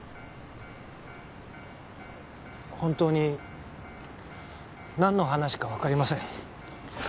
本当に何の話か分かりません